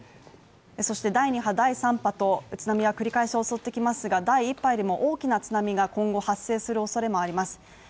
そして第２波第３波と津波は繰り返し襲ってきますが第１波よりも大きな津波が今後発生するおそれもあります。